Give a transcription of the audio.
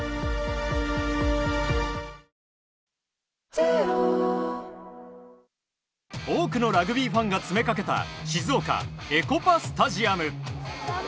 ＪＴ多くのラグビーファンが詰めかけた静岡エコパスタジアム。